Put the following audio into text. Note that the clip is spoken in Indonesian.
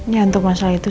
ya untuk masalah itu